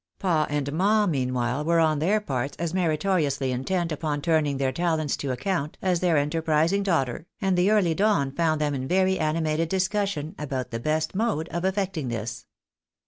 " Pa and Ma," meanwhile, were on their parts as meritoriously intent upon turning their talents to account as their enterprising daughter, and the early dawn found them in very animated dis cussion upon the best mode of efi^ecting this.